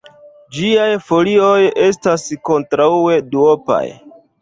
Ĝiaj folioj estas kontraŭe duopaj.